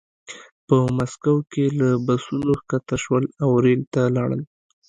په مسکو کې له بسونو ښکته شول او ریل ته لاړل